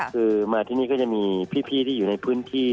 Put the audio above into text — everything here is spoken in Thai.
คือมาที่นี่ก็จะมีพี่ที่อยู่ในพื้นที่